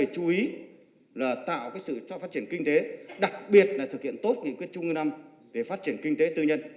chú ý là tạo sự phát triển kinh tế đặc biệt là thực hiện tốt nghị quyết chung năm để phát triển kinh tế tư nhân